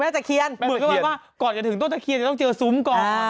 แม่จักรเคียนก็บอกว่าก่อนจะถึงต้นจักรเคียนจะต้องเจอสุมก่อน